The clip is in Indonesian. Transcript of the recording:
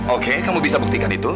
oke kamu bisa buktikan itu